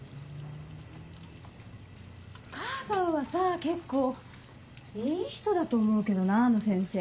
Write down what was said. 母さんはさ結構いい人だと思うけどなあの先生。